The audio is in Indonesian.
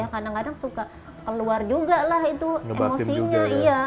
kadang kadang suka keluar juga lah itu emosinya iya